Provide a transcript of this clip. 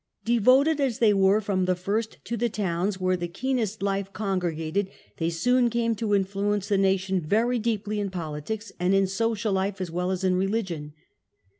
Devoted as they were from the first to the towns, where the keenest life congr^ated, they soon came to influence the nation very deeply in politics and in social life as well as in religion.